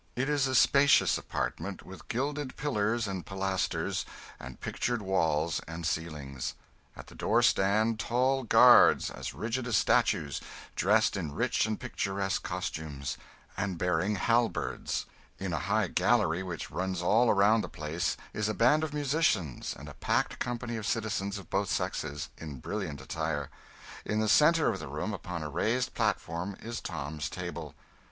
It is a spacious apartment, with gilded pillars and pilasters, and pictured walls and ceilings. At the door stand tall guards, as rigid as statues, dressed in rich and picturesque costumes, and bearing halberds. In a high gallery which runs all around the place is a band of musicians and a packed company of citizens of both sexes, in brilliant attire. In the centre of the room, upon a raised platform, is Tom's table.